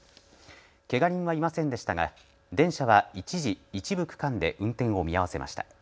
けが人はいませんでしたが電車は一時、一部区間で運転を見合わせました。